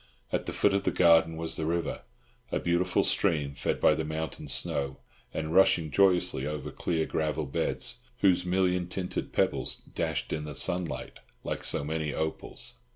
At the foot of the garden was the river, a beautiful stream, fed by the mountain snow, and rushing joyously over clear gravel beds, whose million tinted pebbles dashed in the sunlight like so many opals.